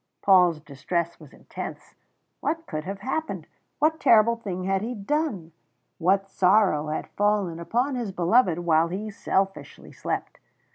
Paul's distress was intense what could have happened? What terrible thing had he done? What sorrow had fallen upon his beloved while he selfishly slept?